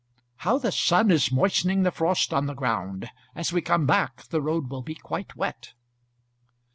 How the sun is moistening the frost on the ground. As we come back the road will be quite wet."